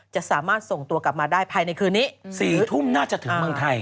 จะสามารถส่งตัวกลับมาได้ภายในคืนนี้๔ทุ่มน่าจะถึงเมืองไทย